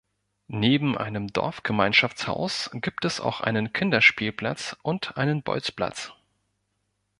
Neben einem Dorfgemeinschaftshaus gibt es auch einen Kinderspielplatz und einen Bolzplatz.